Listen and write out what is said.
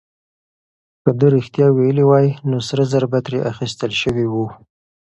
که ده رښتيا ويلي وای، نو سره زر به ترې اخيستل شوي وو.